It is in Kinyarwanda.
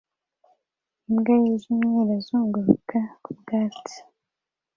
imbwa yijimye irazunguruka ku byatsi